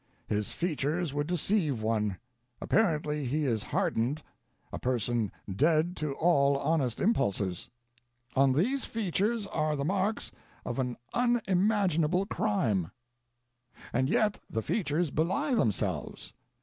His features would deceive one. Apparently he is hardened a person dead to all honest impulses. On these features are the marks of unimaginable crime, and yet the features belie themselves.